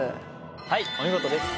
はいお見事です。